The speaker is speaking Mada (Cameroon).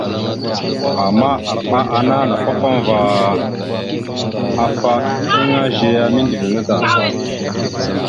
Ama arɓa ana napafaŋva afa eɗeŋa zeya mindəviŋa.